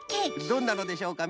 どんなのでしょうか？